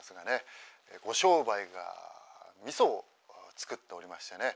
「ご商売がみそを作っておりましてね